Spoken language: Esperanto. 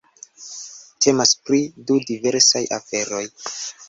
Temas pri du diversaj aferoj.